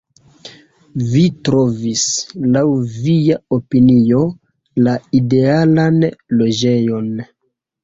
Vi trovis, laŭ via opinio, la idealan loĝejon.